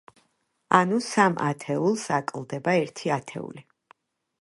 ანუ სამ ათეულს აკლდება ერთი ათეული.